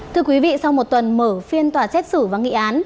thưa quý vị sau một tuần mở phiên tòa xét xử và nghị án